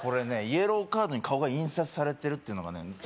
イエローカードに顔が印刷されてるっていうのがね